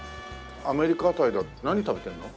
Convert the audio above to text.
アメリカ辺りだと何食べてるの？